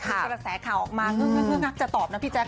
ก็จะแสะข่าวออกมาเมื่อก็เมื่อกลักษณะจะตอบนะพี่แจ๊ค